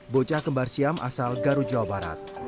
bocah kembar siam asal garut jawa barat